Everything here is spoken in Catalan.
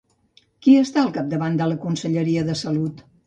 Qui està al capdavant de la conselleria de Salut?